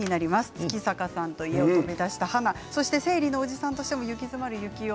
月坂さんと家を飛び出した花、生理のおじさんとして行き詰まる幸男。